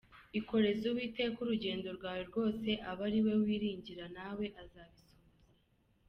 Ikoreze Uwiteka urugendo rwawe rwose, Abe ari we wiringira na we azabisohoza.